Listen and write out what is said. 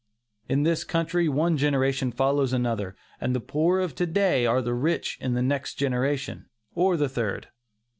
In this country, one generation follows another, and the poor of to day are rich in the next generation, or the third.